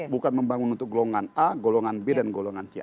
bukan membangun untuk golongan a golongan b dan golongan c